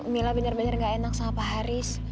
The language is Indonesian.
mila bener bener gak enak sama pak haris